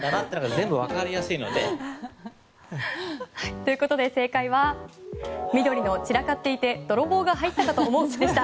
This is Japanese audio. ということで正解は緑の、散らかっていて泥棒が入ったかと思うでした。